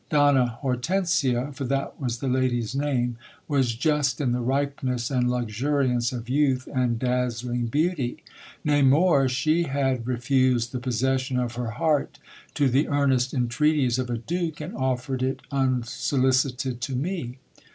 Donna Hortensia, for that was the lady's name, was just in the ripe ness and luxuriance of youth and dazzling beauty. Nay, more, she had re fust d the possession of her heart to the earnest entreaties of a duke, and offered it unsolicited to me.